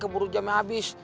gak perlu jamnya abis